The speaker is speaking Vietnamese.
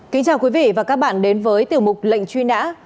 kính chào quý vị và các bạn đến với tiểu mục lệnh truy nã